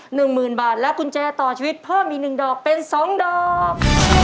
หนึ่งหมื่นบาทและกุญแจต่อชีวิตเพิ่มอีกหนึ่งดอกเป็นสองดอก